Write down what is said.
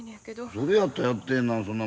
それやったらやってえな。